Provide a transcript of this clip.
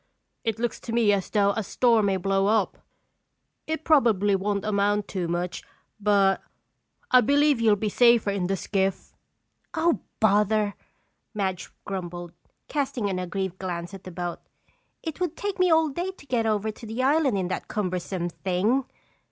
"It looks to me as though a storm may blow up. It probably won't amount to much but I believe you'll be safer in the skiff." "Oh, bother!" Madge grumbled, casting an aggrieved glance at the boat. "It would take me all day to get over to the island in that cumbersome thing!"